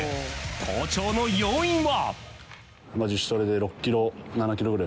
好調の要因は。